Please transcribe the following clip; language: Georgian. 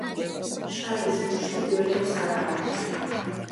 შარდის ბუშტი გველებს არა აქვთ.